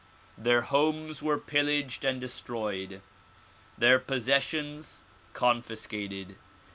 Their homes were pillaged and destroyed, their possessions confiscated.